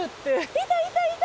いたいたいた！